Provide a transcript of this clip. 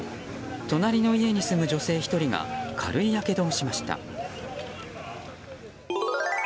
隣の家に住む女性１人が軽いやけどをしました。